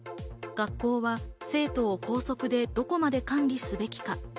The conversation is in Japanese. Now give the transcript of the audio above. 学校は生徒を校則でどこまで管理すべきか。